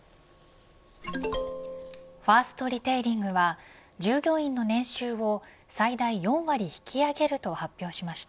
ファーストリテイリングは従業員の年収を最大４割引き上げると発表しました。